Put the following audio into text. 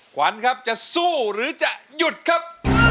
ขวัญครับจะสู้หรือจะหยุดครับ